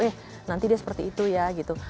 eh nanti dia seperti itu ya gitu